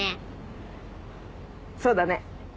そうだね。